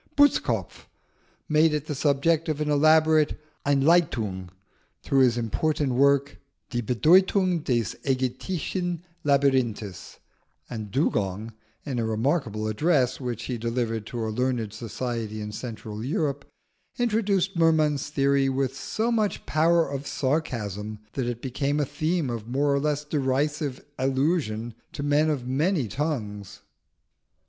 Butzkopf made it the subject of an elaborate Einleitung to his important work, Die Bedeutung des Aegyptischen Labyrinthes; and Dugong, in a remarkable address which he delivered to a learned society in Central Europe, introduced Merman's theory with so much power of sarcasm that it became a theme of more or less derisive allusion to men of many tongues.